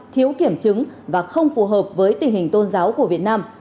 thiếu kiểm chứng và không phù hợp với tình hình tôn giáo của việt nam